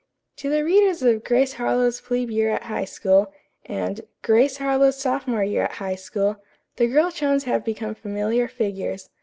To the readers of "GRACE HARLOWE'S PLEBE YEAR AT HIGH SCHOOL," and "GRACE HARLOWE'S SOPHOMORE YEAR AT HIGH SCHOOL," the girl chums have become familiar figures.